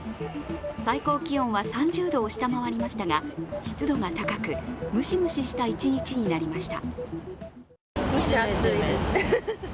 最高気温は３０度を下回りましたが、湿度が高くムシムシした一日になりました。